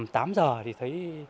tầm tám giờ thì thấy